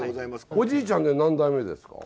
おじいちゃんで何代目ですか？